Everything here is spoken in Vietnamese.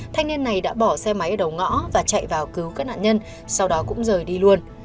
thanh niên này đã bỏ xe máy ở đầu ngõ và chạy vào cứu các nạn nhân sau đó cũng rời đi luôn